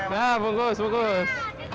nah bungkus bungkus